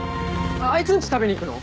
あいつんち食べに行くの？